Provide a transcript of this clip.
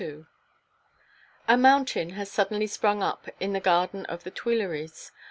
XXII A mountain has suddenly sprung up in the garden of the Tuileries.